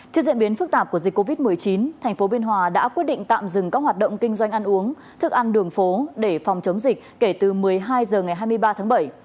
trước diễn biến phức tạp của dịch covid một mươi chín thành phố biên hòa đã quyết định tạm dừng các hoạt động kinh doanh ăn uống thức ăn đường phố để phòng chống dịch kể từ một mươi hai h ngày hai mươi ba tháng bảy